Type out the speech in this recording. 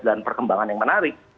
dan perkembangan yang menarik